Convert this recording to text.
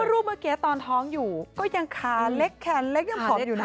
รูปเมื่อกี้ตอนท้องอยู่ก็ยังขาเล็กแขนเล็กยังผอมอยู่นะ